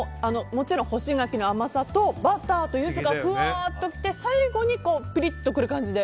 もちろん干し柿の甘さとバターとユズがふわっと来て最後にピリッとくる感じで。